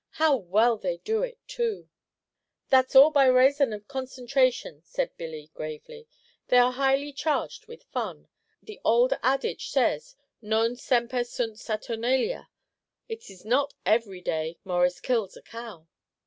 How well they do it, too!" "That's all by rayson of concentration," said 'Billy, gravely. "They are highly charged with fun. The ould adage says, 'Non semper sunt Saturnalia,' It is not every day Morris kills a cow."